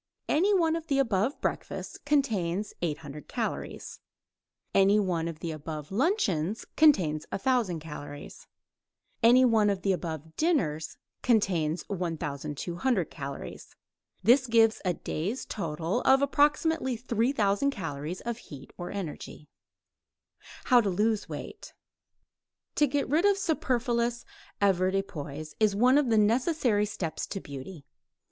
Any one of the above breakfasts contains 800 calories. Any one of the above luncheons contains 1000 calories. Any one of the above dinners contains 1200 calories. This gives a day's total of approximately 3000 calories of heat or energy. HOW TO LOSE WEIGHT To get rid of superfluous avoirdupois is one of the necessary steps to beauty.